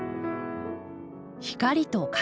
光と影。